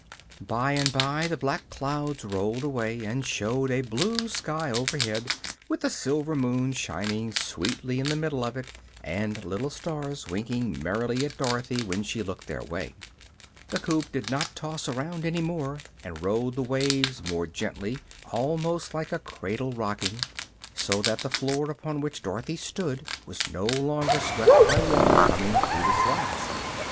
By and by the black clouds rolled away and showed a blue sky overhead, with a silver moon shining sweetly in the middle of it and little stars winking merrily at Dorothy when she looked their way. The coop did not toss around any more, but rode the waves more gently almost like a cradle rocking so that the floor upon which Dorothy stood was no longer swept by water coming through the slats.